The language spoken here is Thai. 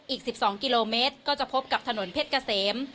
อีก๑๒กิโลเมตรก็จะพบกับถนนเพชรเกษม